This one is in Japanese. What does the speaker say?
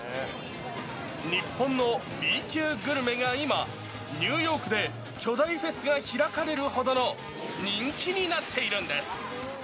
日本のＢ級グルメが今、ニューヨークで巨大フェスが開かれるほどの人気になっているんです。